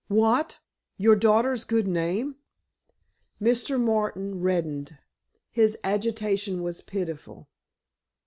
"What? Your daughter's good name?" Mr. Martin reddened. His agitation was pitiful.